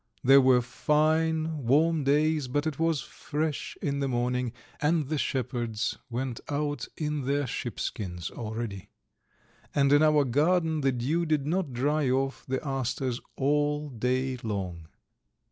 There were fine, warm days, but it was fresh in the morning, and the shepherds went out in their sheepskins already; and in our garden the dew did not dry off the asters all day long.